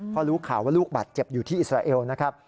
พอรู้ข่าวว่าลูกบาดเจ็บอยู่ที่อิสราเอลนะครับ